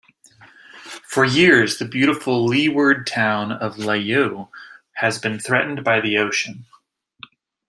For years the beautiful Leeward town of Layou has been threatened by the ocean.